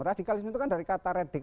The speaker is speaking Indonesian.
radikalisme itu kan dari kata redik